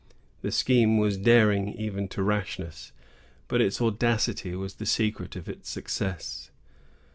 The scheme was daring even to rashness; but its audacity was the secret of its success.